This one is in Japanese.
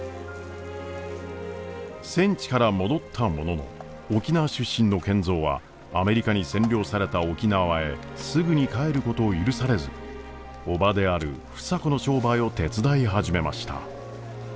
戦地から戻ったものの沖縄出身の賢三はアメリカに占領された沖縄へすぐに帰ることを許されず叔母である房子の商売を手伝い始めました。